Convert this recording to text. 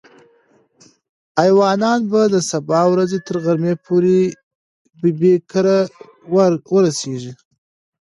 ایوانان به د سبا ورځې تر غرمې پورې ببۍ کره ورسېږي.